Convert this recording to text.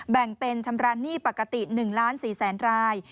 แบ่งเป็นชำระหนี้ปกติ๑๔๐๐๐๐๐ราย